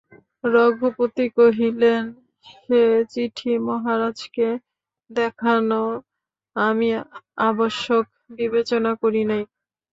রঘুপতি কহিলেন, সে চিঠি মহারাজকে দেখানো আমি আবশ্যক বিবেচনা করি নাই।